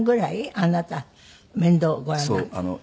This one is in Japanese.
あなた面倒ご覧になったの。